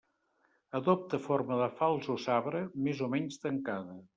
Adopta forma de falç o sabre, més o menys tancada.